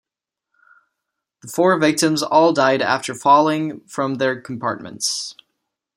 The four victims all died after falling from their compartments.